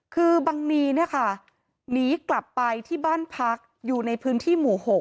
คือบังนีเนี่ยค่ะหนีกลับไปที่บ้านพักอยู่ในพื้นที่หมู่๖